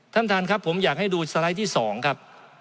ท่านท่านครับผมอยากให้ดูสไลด์ที่๒ครับ